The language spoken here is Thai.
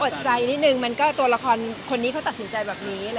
ใจนิดนึงมันก็ตัวละครคนนี้เขาตัดสินใจแบบนี้